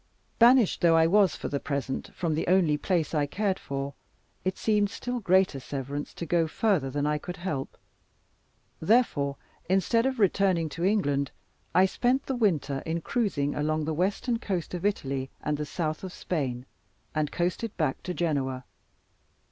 Banished though I was, for the present, from the only place I cared for, it seemed still greater severance to go further than I could help. Therefore instead of returning to England, I spent the winter in cruising along the western coast of Italy, and the south of Spain; and coasted back to Genoa.